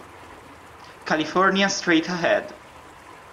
California Straight Ahead!